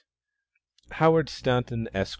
HOWARD STAUNTON, ESQ.